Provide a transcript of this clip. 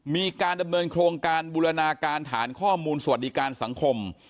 มีการดำเนินโครงการบูรณาการฐานข้อมูลสวัสดิการสังคม